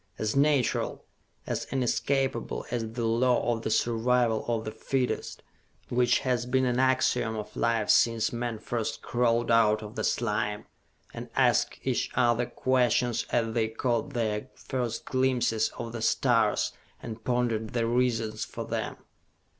As natural, as inescapable as the law of the survival of the fittest, which has been an axiom of life since men first crawled out of the slime and asked each other questions as they caught their first glimpses of the stars and pondered the reasons for them!"